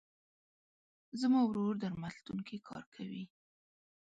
زما ورور درملتون کې کار کوي.